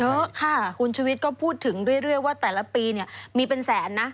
เยอะค่ะคุณชุวิตก็พูดถึงเรื่อยว่าแต่ละปีเนี่ยมีเป็นแสนนะ